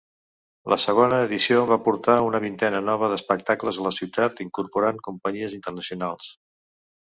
La segona edició va portar una vintena nova d'espectacles a la ciutat, incorporant companyies internacionals.